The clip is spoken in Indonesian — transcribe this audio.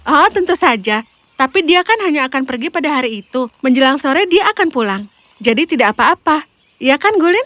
oh tentu saja tapi dia kan hanya akan pergi pada hari itu menjelang sore dia akan pulang jadi tidak apa apa ya kan gulin